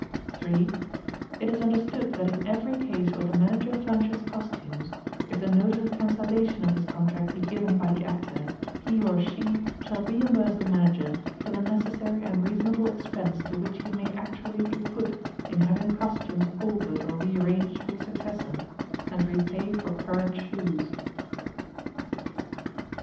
(3) It is understood that in every case where the Manager furnishes costumes, if the notice of cancellation of this Contract be given by the Actor, he or she shall reimburse the Manager for the necessary and reasonable expense to which he may actually be put in having costumes altered or rearranged for the successor, and repay for current shoes.